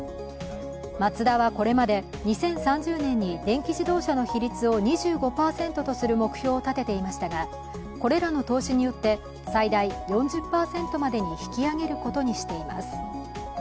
マツダはこれまで２０３０年に電気自動車の比率を２５％とする目標を立てていましたが、これらの投資によって最大４０％までに引き上げることにしています。